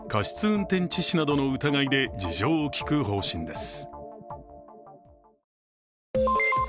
運転致死などの疑いで事情を聴く方針です。